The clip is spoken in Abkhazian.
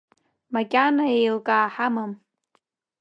Макьана еилкаа ҳамам.